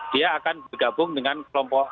dia akan bergabung dengan kelompok